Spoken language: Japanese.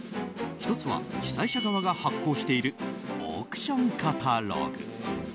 １つは主催者側が発行しているオークションカタログ。